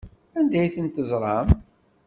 Anda ay tent-teẓram?